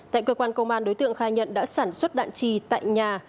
tại cơ quan công an đối tượng khai nhận đã sản xuất đạn trì tại nhà